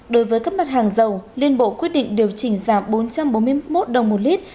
đối với các mặt hàng dầu liên bộ quyết định điều chỉnh giảm bốn trăm bốn mươi một đồng một lít